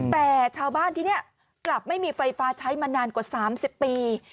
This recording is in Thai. แต่ชาวบ้านที่นี่กลับไม่มีไฟฟ้าใช้มานานกว่า๓๐ปี